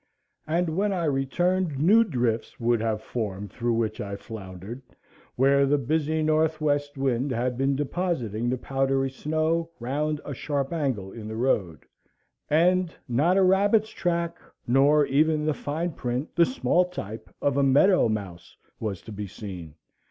And when I returned new drifts would have formed, through which I floundered, where the busy north west wind had been depositing the powdery snow round a sharp angle in the road, and not a rabbit's track, nor even the fine print, the small type, of a meadow mouse was to be seen.